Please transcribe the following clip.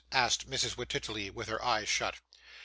asked Mrs. Wititterly, with her eyes shut.